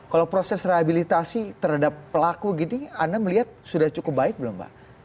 kalau proses rehabilitasi terhadap pelaku gitu anda melihat sudah cukup baik belum mbak